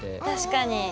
確かに。